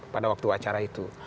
pada waktu acara itu